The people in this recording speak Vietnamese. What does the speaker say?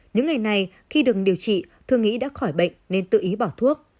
những ngày này khi đừng điều trị thương nghĩ đã khỏi bệnh nên tự ý bỏ thuốc